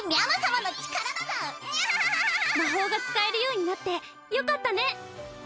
魔法が使えるようになってよかったね！